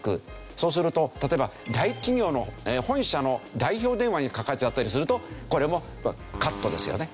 そうすると例えば大企業の本社の代表電話にかかっちゃったりするとこれもカットですよね。